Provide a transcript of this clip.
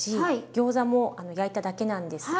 ギョーザも焼いただけなんですが。